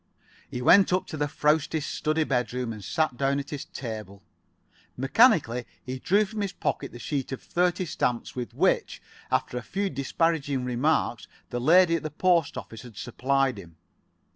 He went up to the frowsty study bedroom, and sat [Pg 53]down at his table. Mechanically he drew from his pocket the sheet of thirty stamps with which, after a few disparaging remarks, the lady at the post office had supplied him.